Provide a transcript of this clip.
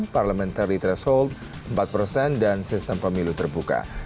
parliamentary threshold empat persen dan sistem pemilu terbuka